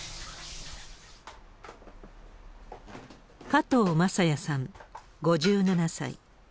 加藤正哉さん５７歳。